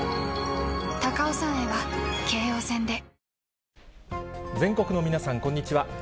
ぷはーっ全国の皆さん、こんにちは。